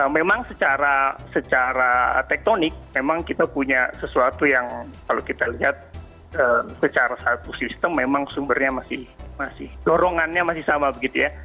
memang secara tektonik memang kita punya sesuatu yang kalau kita lihat secara satu sistem memang sumbernya masih dorongannya masih sama begitu ya